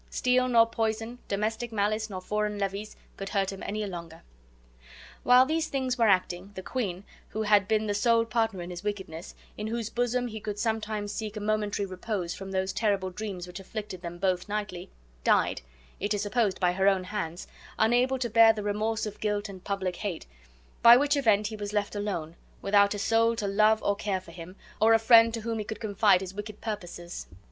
Steel nor poison, domestic malice nor foreign levies, could hurt him any longer. While these things were acting, the queen, who had been the sole partner in his wickedness, in whose bosom he could sometimes seek a momentary repose from those terrible dreams which afflicted them both nightly, died, it is supposed, by her own hands, unable to bear the remorse of guilt and public hate; by which event he was left alone, without a soul to love or care for him, or a friend to whom he could confide his wicked purposes.